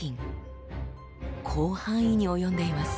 広範囲に及んでいます。